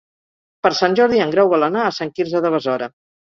Per Sant Jordi en Grau vol anar a Sant Quirze de Besora.